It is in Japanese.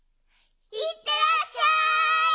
いってらっしゃい！